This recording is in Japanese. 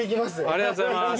ありがとうございます。